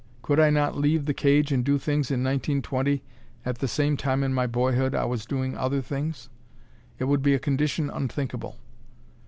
Could I not leave the cage and do things in 1920 at the same time in my boyhood I was doing other things? It would be a condition unthinkable.